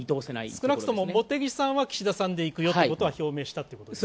少なくとも茂木さんは岸田さんでいくよということは表明したということですね。